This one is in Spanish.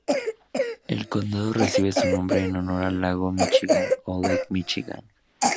El condado recibe su nombre en honor al Lago Míchigan o Lake Michigan.